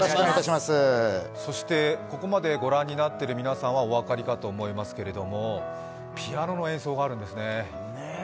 ここまで御覧になっている皆さんはお分かりかと思いますけれども、ピアノの演奏があるんですね。